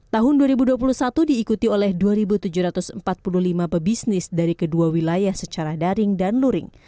tahun dua ribu dua puluh satu diikuti oleh dua tujuh ratus empat puluh lima pebisnis dari kedua wilayah secara daring dan luring